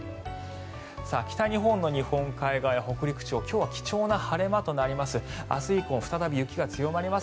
北日本の日本海側や北陸地方今日は貴重な晴れ間となります。